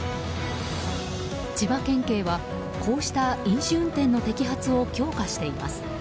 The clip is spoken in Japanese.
千葉県警は、こうした飲酒運転の摘発を強化しています。